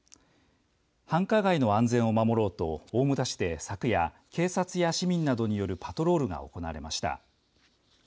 繁華街の安全を守ろうと大牟田市で昨夜警察や市民などによるパトロールが行われました。